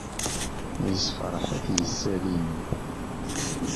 Yessefṛeḥ-it yisali-nni.